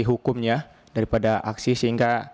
hukumnya daripada aksi sehingga